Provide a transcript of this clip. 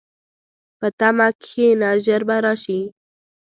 په تمه کښېنه، ژر به راشي.